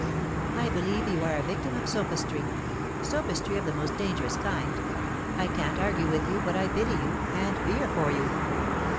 "I believe you are a victim of sophistry sophistry of the most dangerous kind. I can't argue with you, but I pity you, and fear for you."